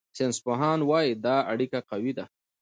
ساینسپوهان وايي دا اړیکه قوي ده.